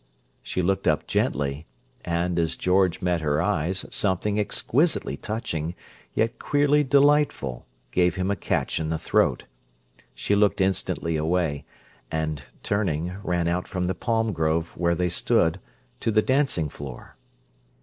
She looked up gently, and, as George met her eyes, something exquisitely touching, yet queerly delightful, gave him a catch in the throat. She looked instantly away, and, turning, ran out from the palm grove, where they stood, to the dancing floor.